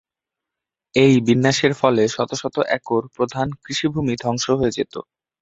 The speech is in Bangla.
এই বিন্যাসের ফলে শত শত একর প্রধান কৃষিভূমি ধ্বংস হয়ে যেত।